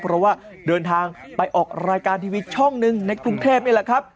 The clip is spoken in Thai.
เพราะว่าเดินทางไปออกรายการทีวีช่องหนึ่งในกรุงเทพนี่แหละครับ